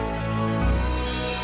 pertama kali pak